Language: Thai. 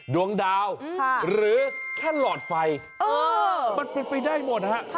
ดวงดาวหรือแค่หลอดไฟมันเป็นไปได้หมดฮะ